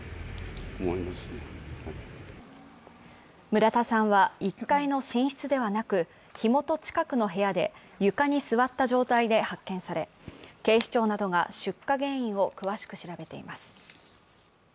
村田さんは１階の寝室ではなく火元近くの部屋で床に座った状態で発見され警視庁などが出火原因を詳しく調べています。